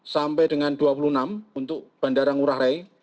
dua puluh lima sampai dengan dua puluh enam untuk bandara ngurah rai